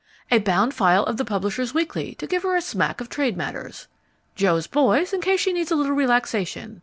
A bound file of The Publishers' Weekly to give her a smack of trade matters. Jo's Boys in case she needs a little relaxation.